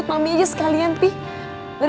di suhu dia